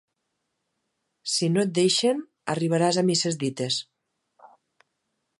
Si no et deixen, arribaràs a misses dites.